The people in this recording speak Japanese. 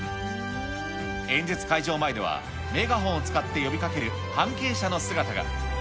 演説会場前ではメガホンを使って呼びかける関係者の姿が。